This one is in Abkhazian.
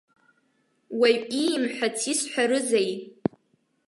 Уаҩ иимҳәац исҳәарызеи?